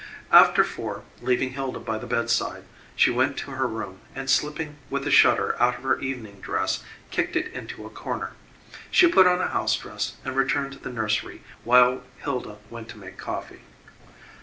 At four, leaving Hilda by the bedside, she went to her room, and slipping with a shudder out of her evening dress, kicked it into a corner. She put on a house dress and returned to the nursery while Hilda went to make coffee.